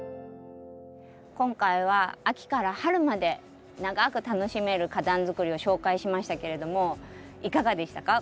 今回は秋から春まで長く楽しめる花壇づくりを紹介しましたけれどもいかがでしたか？